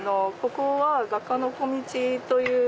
ここは画家の小道という。